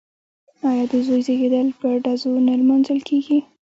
آیا د زوی زیږیدل په ډزو نه لمانځل کیږي؟